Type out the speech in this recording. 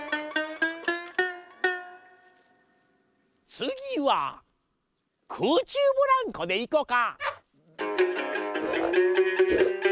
つぎはくうちゅうブランコでいこか。